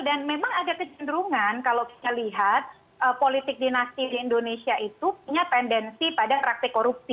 dan memang ada kecenderungan kalau kita lihat politik dinasti di indonesia itu punya pendensi pada praktik korupsi